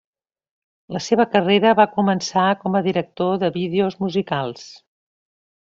La seva carrera va començar com a director de vídeos musicals.